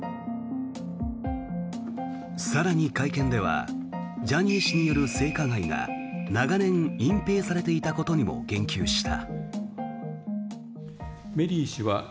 更に、会見ではジャニー氏による性加害が長年、隠ぺいされていたことにも言及した。